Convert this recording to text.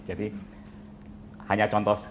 jadi hanya contoh sekilas